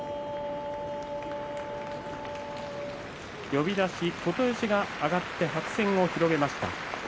呼出し琴吉が上がって白扇を広げました。